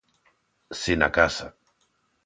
Si na casa.